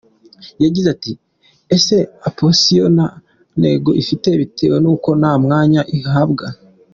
Yagize ati “Ese opozisiyo nta ntege ifite bitewe n’uko nta mwanya ihabwa ?